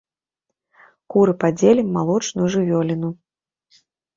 Куры падзелім, малочную жывёліну.